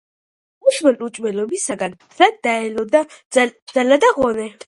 უსმელ-უჭმელობიგან მთლად დაელოდა ძალა და ღონე